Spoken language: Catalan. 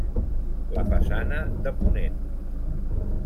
La façana de ponent.